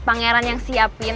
pangeran yang siapin